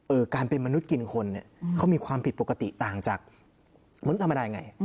การเป็นมนุษย์กินคนเนี่ยเขามีความผิดปกติต่างจากมนุษย์ธรรมดาไง